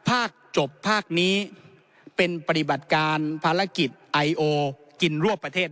จบภาคนี้เป็นปฏิบัติการภารกิจไอโอกินรั่วประเทศ